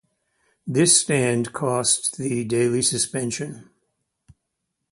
This stand cost the daily suspension.